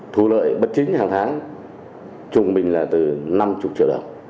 thu lợi bất chính hàng tháng trung bình là từ năm mươi triệu đồng